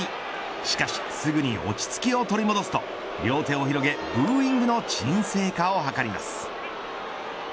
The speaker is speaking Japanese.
しかし、すぐに落ち着きを取り戻すと両手を広げ、ブーイングの鎮静化を図ります。